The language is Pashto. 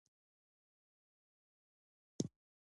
ځنګلونه د افغانستان د بشري فرهنګ برخه ده.